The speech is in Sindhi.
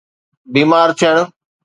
بيمار ٿيڻ